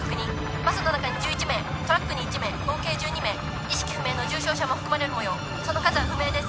バスの中に１１名トラックに１名合計１２名意識不明の重傷者も含まれるもようその数は不明です